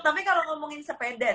tapi kalau ngomongin sepeda